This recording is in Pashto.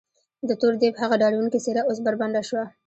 د تور دیب هغه ډارونکې څېره اوس بربنډه شوه.